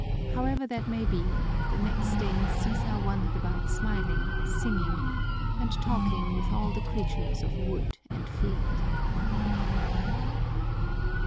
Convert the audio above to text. However that may be, the next day Sisa wandered about smiling, singing, and talking with all the creatures of wood and field.